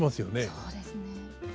そうですね。